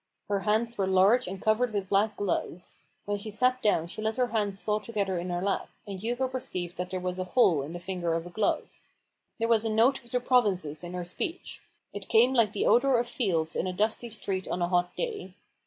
Her hands were large and covered with black gloves ; when she sat down she let her hands fall together in her lap, and Hugo perceived that there was a hole in the finger of a glove. There was a note of the provinces in her speech : it came like the odour of fields in a dusty street on a hot day.